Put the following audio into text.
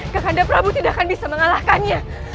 kepada prabu tidak akan bisa mengalahkannya